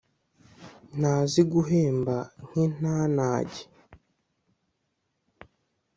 Ntazi guhemba nkintanage